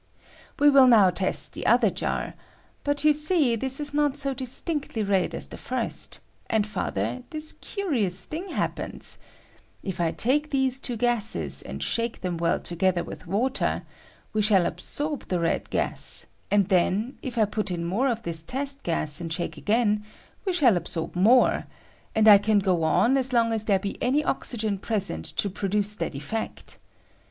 We will now test the other jar; but yon see this is not so distinctly red as the first ; and, farther, this curious thing happens : if I take these two gases and shake them well to gether with water, we shall absorb the red gas ; and then, if I put in more of this test gas and shake again, we shall absorb more ; and I can go on aa long as there be any oxygen pres ent to produce that effect.